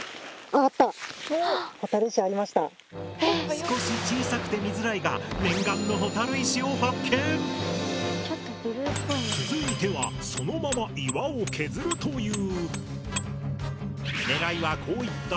少し小さくて見づらいが続いてはそのまま岩を削るという。